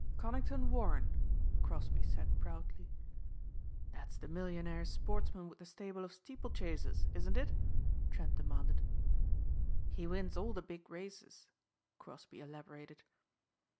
"Conington Warren," Crosbeigh said proudly. "That's the millionaire sportsman with the stable of steeple chasers, isn't it?" Trent demanded. "He wins all the big races," Crosbeigh elaborated.